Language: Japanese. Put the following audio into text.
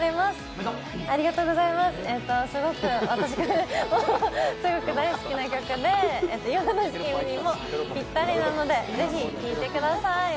すごく大好きな曲で今の時期にもぴったりなのでぜひ聴いてください。